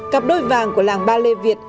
cặp đôi vàng của làng ballet việt